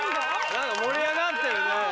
何か盛り上がってるね。